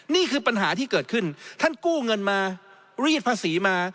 นี่คือปัญหาที่เกิดขึ้นท่านกู้เงินมารีดภาษีมา